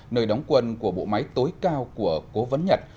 nơi đóng quân của bộ máy tối cao của cố vấn nhật